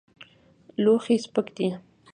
لوښی سپک دی.